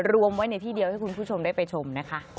รวมไว้ในที่เดียวให้คุณผู้ชมได้ไปชมนะคะ